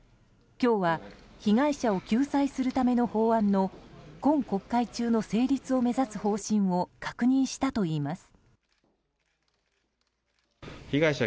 今日は被害者を救済するための法案の今国会中の成立を目指す方針を確認したといいます。